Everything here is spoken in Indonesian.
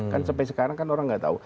kan sampai sekarang kan orang nggak tahu